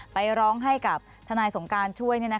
ไปร้องให้กับทนายสงการช่วย